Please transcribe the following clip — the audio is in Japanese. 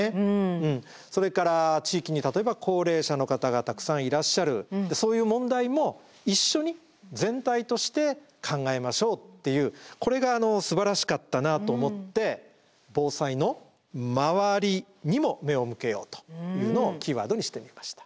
それから地域に例えば高齢者の方がたくさんいらっしゃるそういう問題も一緒に全体として考えましょうっていうこれがすばらしかったなと思って「防災の周りにも目を向けよう！」というのをキーワードにしてみました。